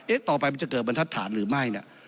เอ๊ะต่อไปมันจะเกิดเป็นทัศนหรือไม่เนี่ย